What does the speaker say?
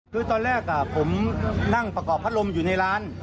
คือตอนแรกผมนั่งประกอบพัดลมอยู่ในร้าน